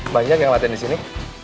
banyak yang latihan disini